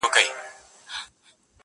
هغه وايي دلته هر څه بدل سوي او سخت دي،